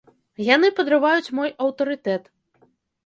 Яны падрываюць мой аўтарытэт.